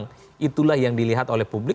nah itulah yang dilihat oleh publik